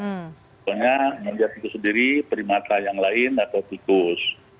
pokoknya menjaga diri diri primata yang lain atau tikus